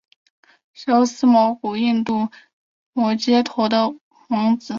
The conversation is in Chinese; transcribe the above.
修私摩古印度摩揭陀国的王子。